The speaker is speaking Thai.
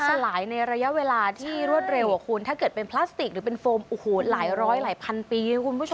สลายในระยะเวลาที่รวดเร็วอ่ะคุณถ้าเกิดเป็นพลาสติกหรือเป็นโฟมโอ้โหหลายร้อยหลายพันปีนะคุณผู้ชม